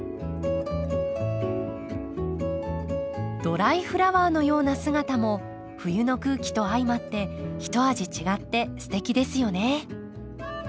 ドライフラワーのような姿も冬の空気と相まってひと味違ってすてきですよね。